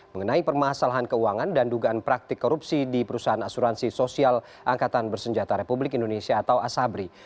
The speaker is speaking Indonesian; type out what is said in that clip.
mengenai permasalahan keuangan dan dugaan praktik korupsi di perusahaan asuransi sosial angkatan bersenjata republik indonesia atau asabri